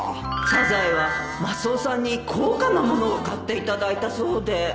サザエはマスオさんに高価なものを買っていただいたそうで